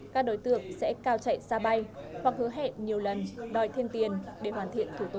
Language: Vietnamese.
các đối tượng sẽ cao chạy xa bay hoặc hứa hẹn nhiều lần đòi thêm tiền để hoàn thiện thủ tục